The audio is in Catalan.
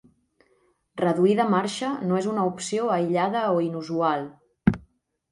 Reduir de marxa no és una opció aïllada o inusual.